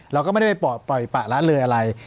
เราก็ไม่ได้ไปปล่อยปะละเลยอะไร